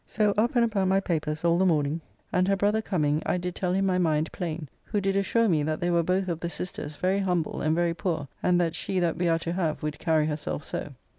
So up and about my papers all the morning, and her brother coming I did tell him my mind plain, who did assure me that they were both of the sisters very humble and very poor, and that she that we are to have would carry herself so.